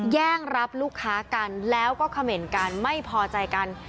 แย่งรับลูกค้ากันแล้วก็เขม่นกันไม่พอใจกัน